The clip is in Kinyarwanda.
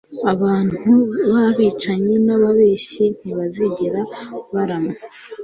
abantu b’abicanyi n’ababeshyi ntibazigera barama